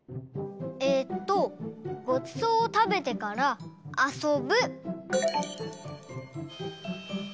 えっとごちそうをたべてからあそぶ。